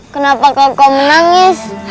kenapa kakak menangis